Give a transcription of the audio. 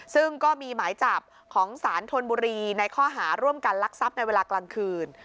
ซึ่งก็มีหมายจับของสารธนบุรีในข้อหาร่วมกันลักทรัพย์ในเวลากลางคืน